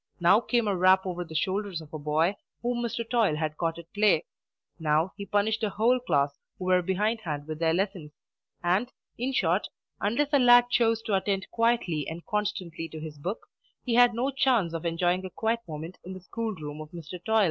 Now came a rap over the shoulders of a boy whom Mr. Toil had caught at play; now he punished a whole class who were behindhand with their lessons; and, in short, unless a lad chose to attend quietly and constantly to his book, he had no chance of enjoying a quiet moment in the school room of Mr. Toil.